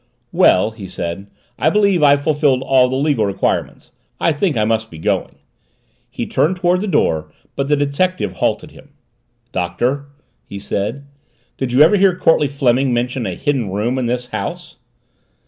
"Well," he said, "I believe I've fulfilled all the legal requirements I think I must be going." He turned toward the door but the detective halted him. "Doctor," he said, "did you ever hear Courtleigh Fleming mention a Hidden Room in this house?"